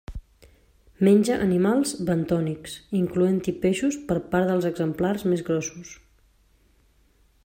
Menja animals bentònics, incloent-hi peixos per part dels exemplars més grossos.